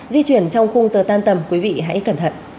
di chuyển trong khung giờ tan tầm quý vị hãy cẩn thận